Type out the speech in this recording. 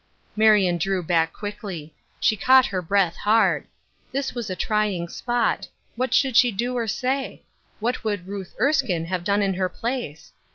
Marion drew back quickly; she caught her breath hard ; this was a trying spot ; what should she do or say ? What would Ruth Ers kine have done in her place